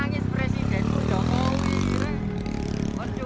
yang nangis presiden yang nangis presiden